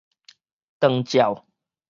長照